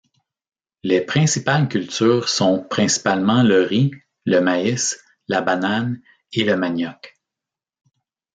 Les principales cultures sont principalement le riz, le maïs, la banane et le manioc.